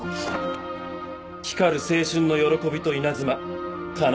光る青春の喜びと稲妻かな。